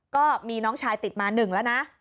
ก็มีน้องชายติดมา๑แล้วนะ